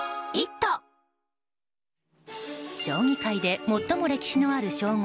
将棋界で最も歴史のある称号